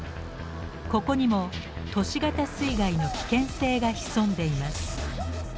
ここにも都市型水害の危険性が潜んでいます。